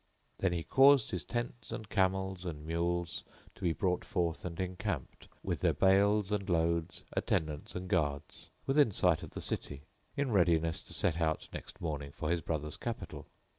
Then he caused his tents and camels and mules to be brought forth and encamped, with their bales and loads, attendants and guards, within sight of the city, in readiness to set out next morning for his brother's capital.